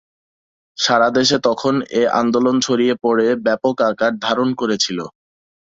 সারাদেশে তখন এ আন্দোলন ছড়িয়ে পড়ে ব্যাপক আকার ধারণ করেছিল।